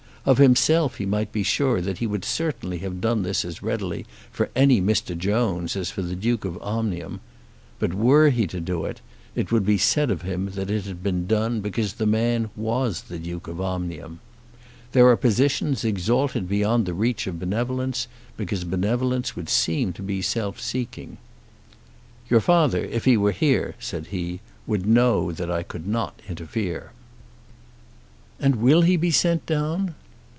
Of himself he might be sure that he would certainly have done this as readily for any Mr. Jones as for the Duke of Omnium; but were he to do it, it would be said of him that it had been done because the man was Duke of Omnium. There are positions exalted beyond the reach of benevolence, because benevolence would seem to be self seeking. "Your father, if he were here," said he, "would know that I could not interfere." "And will he be sent down?"